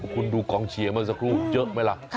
คุณดูกองเชียร์เมื่อสักครู่เยอะไหมล่ะ